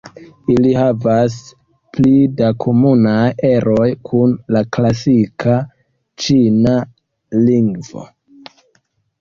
Ili havas pli da komunaj eroj kun la klasika ĉina lingvo.